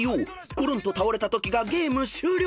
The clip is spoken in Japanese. コロンと倒れたときがゲーム終了］